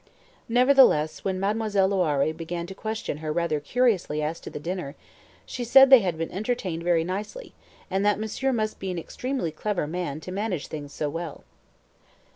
Nevertheless, when Mademoiselle Loiré began to question her rather curiously as to the dinner, she said they had been entertained very nicely, and that monsieur must be an extremely clever man to manage things so well.